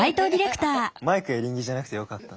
マイクエリンギじゃなくてよかった。